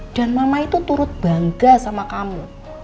dan mama itu turut bangga sama kamu